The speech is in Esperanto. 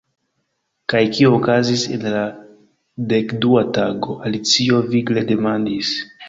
"Kaj kio okazis en la dekdua tago," Alicio vigle demandis.